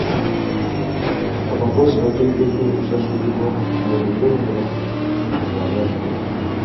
Abakozi bateekeddwa okusasulibwa mu luwummula nga balwadde.